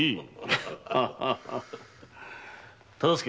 忠相。